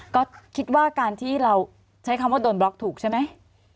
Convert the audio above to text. ก็คิดว่าการที่เราใช้คำว่าโดนบล็อกถูกใช่ไหม